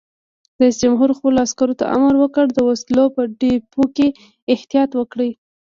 رئیس جمهور خپلو عسکرو ته امر وکړ؛ د وسلو په ډیپو کې احتیاط وکړئ!